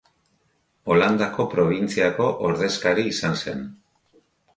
Holandako probintziako ordezkari izan zen.